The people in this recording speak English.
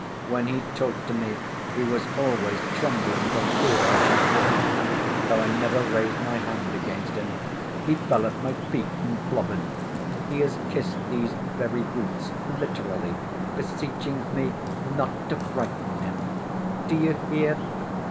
When he talked to me, he was always trembling for fear I should kill him, though I never raised my hand against him. He fell at my feet and blubbered; he has kissed these very boots, literally, beseeching me 'not to frighten him.' Do you hear?